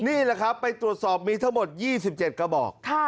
นี่แหละครับไปตรวจสอบมีทั้งหมดยี่สิบเจ็ดกระบอกค่ะ